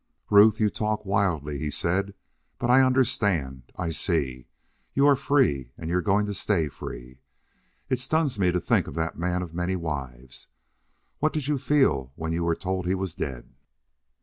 "Ruth, you talk wildly," he said. "But I understand. I see. You are free and you're going to stay free.... It stuns me to think of that man of many wives. What did you feel when you were told he was dead?"